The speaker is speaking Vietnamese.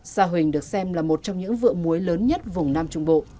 sa huỳnh được xem là một trong những vựa muối lớn nhất vùng nam trung bộ